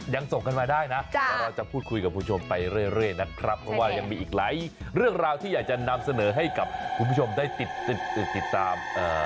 ส่งกันมาได้นะเดี๋ยวเราจะพูดคุยกับคุณผู้ชมไปเรื่อยเรื่อยนะครับเพราะว่ายังมีอีกหลายเรื่องราวที่อยากจะนำเสนอให้กับคุณผู้ชมได้ติดติดติดตาม